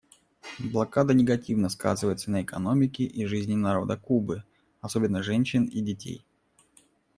Блокада негативно сказывается на экономике и жизни народа Кубы, особенно женщин и детей.